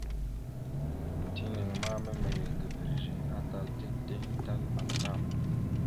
Tinaŋ ma miməre ga virəze, atal tideŋ tal azlam.